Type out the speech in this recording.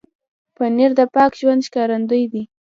پنېر د پاک ژوند ښکارندوی دی.